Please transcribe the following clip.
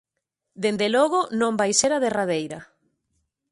Dende logo, non vai ser a derradeira.